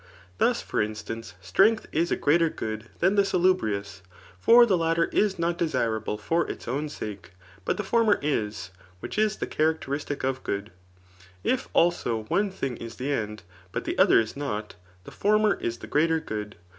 Thwt for iqstance, strei^th is a greater good than tlie Salubrious ; for the latter is not de^rable for its own sake^ but the former is, which is the characteristic of good. If» alsOf one thbg is the end, but the other is not, {[the former is the greater good.